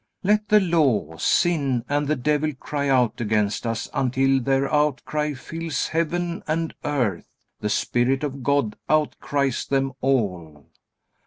Let the Law, sin, and the devil cry out against us until their outcry fills heaven and earth. The Spirit of God outcries them all.